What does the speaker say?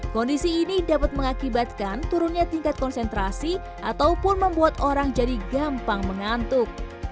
kondisi ini dapat mengakibatkan turunnya tingkat konsentrasi ataupun membuat orang jadi gampang mengantuk